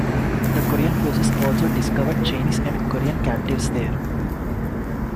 The Korean forces also discovered Chinese and Korean captives there.